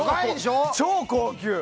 超高級。